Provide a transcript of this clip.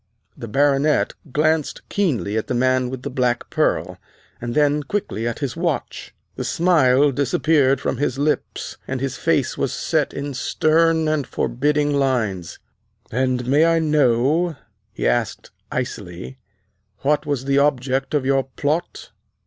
The Baronet glanced keenly at the man with the black pearl, and then quickly at his watch. The smile disappeared from his lips, and his face was set in stern and forbidding lines. "And may I know," he asked icily, "what was the object of your plot!"